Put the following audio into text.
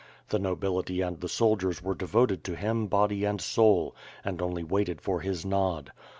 The nobility and the soldiers were devoted to him, body and soul, and only waited for his nod.